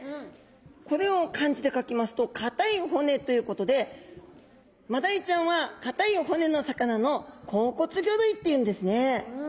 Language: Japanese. これを漢字で書きますと硬い骨ということでマダイちゃんは硬い骨の魚の硬骨魚類っていうんですね。